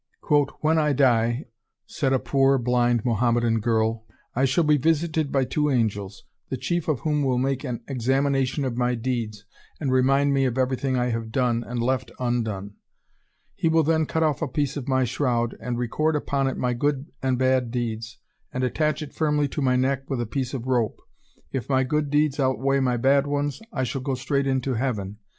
"When I die," said a poor, blind Mohammedan girl, "I shall be visited by two angels, the chief of whom will make an examination of my deeds, and remind me of everything I have done, and left undone; he will then cut off a piece of my shroud and record upon it my good and bad deeds, and attach it firmly to my neck with a piece of rope. If my good deeds outweigh my bad ones, I shall go straight into heaven.